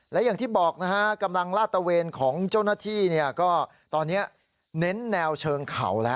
และอย่างที่บอกนะฮะกำลังลาดตะเวนของเจ้าหน้าที่ก็ตอนนี้เน้นแนวเชิงเขาแล้ว